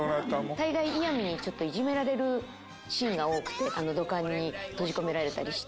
大概イヤミにちょっといじめられるシーンが多くて土管に閉じ込められたりして。